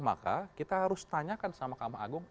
maka kita harus tanyakan sama kam agung